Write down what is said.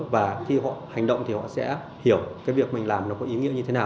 và khi họ hành động thì họ sẽ hiểu cái việc mình làm nó có ý nghĩa như thế nào